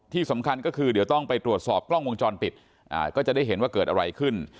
ที่สำคัญก็คือเดี๋ยวต้องไปตรวจสอบกล้องวงจรปิดก็จะได้เห็นว่าเกิดอะไรขึ้น